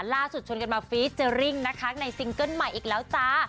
ล่าสุดชวนกันมาฟีเจอริงนะคะในซิงเกิ้ลใหม่อีกแล้วจ้า